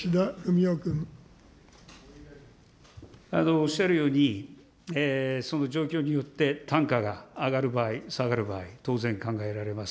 おっしゃるように、その状況によって単価が上がる場合、下がる場合、当然考えられます。